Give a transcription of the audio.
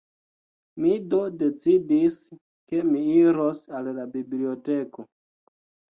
Mi do decidis, ke mi iros al la biblioteko.